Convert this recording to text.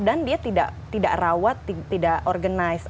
dan dia tidak rawat tidak organize